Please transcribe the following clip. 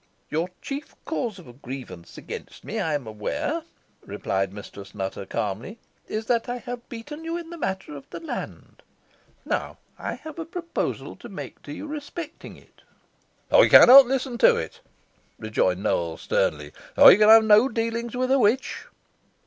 "Your chief cause of grievance against me, I am aware," replied Mistress Nutter, calmly, "is, that I have beaten you in the matter of the land. Now, I have a proposal to make to you respecting it." "I cannot listen to it," rejoined Nowell, sternly; "I can have no dealings with a witch."